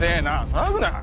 騒ぐな。